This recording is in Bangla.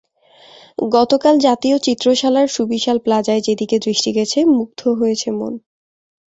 গতকাল জাতীয় চিত্রশালার সুবিশাল প্লাজায় যেদিকে দৃষ্টি গেছে, মুগ্ধ হয়েছে মন।